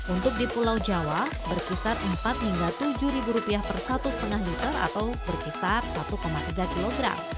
untuk di pulau jawa berkisar empat hingga tujuh rupiah per satu lima liter atau berkisar satu tiga kg